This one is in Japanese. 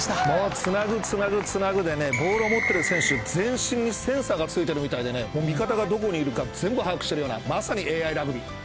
もうつなぐつなぐつなぐでね、ボールを持っている選手全身にセンサーがついているみたいで味方がどこにいるか、全部把握しているようなまさにＡＩラグビー。